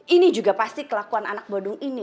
ini juga pasti kelakuan anak bodong ini